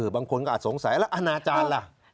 บางคนก็อาจสงสัยแล้วอนาจารย์ล่ะ